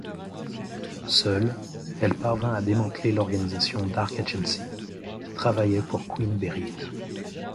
Seule, elle parvient à démanteler l’organisation Dark Agency, qui travaillait pour Queen Beryl.